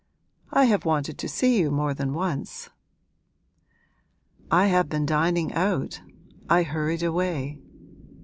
'I have wanted to see you more than once.' 'I have been dining out I hurried away.